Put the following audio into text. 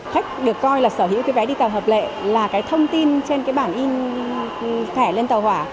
khách được coi là sở hữu cái vé đi tàu hợp lệ là cái thông tin trên cái bản in thẻ lên tàu hỏa